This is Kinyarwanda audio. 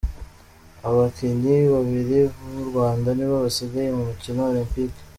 Abakinnyi babiri b’u Rwanda nibo basigaye mu mikino Olempike